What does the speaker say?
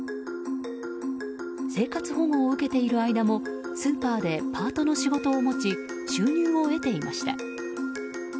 生活保護を受けている間もスーパーでパートの仕事を持ち収入を得ていました。